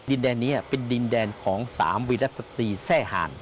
ดินแดนนี้เป็นดินแดนของ๓วิรัติสตรีแทร่หาน